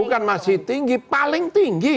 bukan masih tinggi paling tinggi